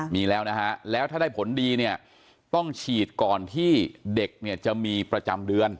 มีแล้วนะฮะแล้วถ้าได้ผลดีเนี่ยต้องฉีดก่อนที่เด็กเนี่ยจะมีประจำเดือน